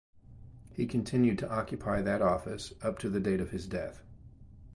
He continued to occupy that office up to the date of his death.